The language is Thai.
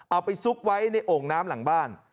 เอาไปซุกไว้ในโอ่งน้ำหลังบ้าน